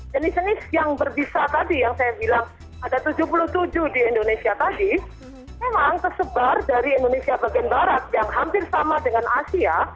jenis jenis yang berbisa tadi yang saya bilang ada tujuh puluh tujuh di indonesia tadi memang tersebar dari indonesia bagian barat yang hampir sama dengan asia